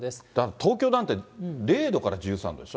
東京なんて０度から１３度でしょ。